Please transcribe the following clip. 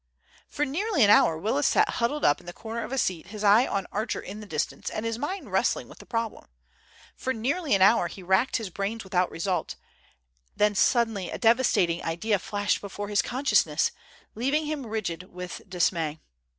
For nearly an hour Willis sat huddled up in the corner of a seat, his eye on Archer in the distance, and his mind wrestling with the problem. For nearly an hour he racked his brains without result, then suddenly a devastating idea flashed before his consciousness, leaving him rigid with dismay.